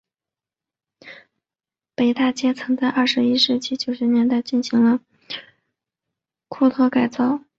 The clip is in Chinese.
北大街曾在二十世纪九十年代进行了拓宽改造。